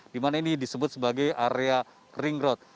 di mana ini disebut sebagai area ring road